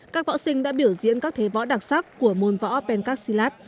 các võ sinh đã biểu diễn các thế võ đặc sắc của môn võ pencastilat